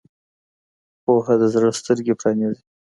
پوهه د زړه سترګې پرانیزي.